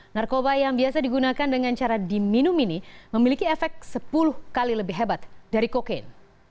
narkoba yang biasa digunakan dengan cara diminum ini memiliki efek sepuluh kali lebih hebat dari kokain